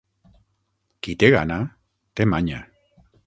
Qui té gana, té manya.